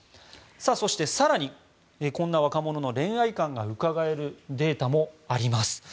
そして更に、こんな若者の恋愛観がうかがえるデータもあります。